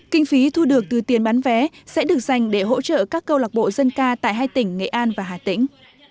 kinh phí thu được từ tiền bán vé sẽ được dành để hỗ trợ các câu lạc bộ dân ca tại hai tỉnh nghệ an và hà tĩnh